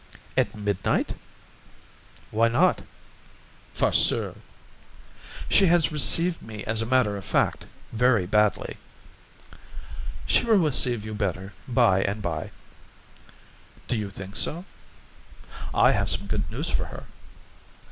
"At midnight?" "Why not?" "Farceur!" "She has received me, as a matter of fact, very badly." "She will receive you better by and by." "Do you think so?" "I have some good news for her."